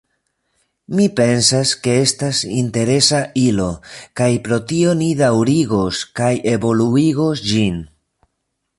Mi pensas ke estas interesa ilo, kaj pro tio ni daŭrigos kaj evoluigos ĝin.